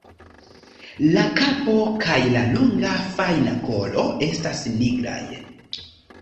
La kapo kaj la longa, fajna kolo estas nigraj.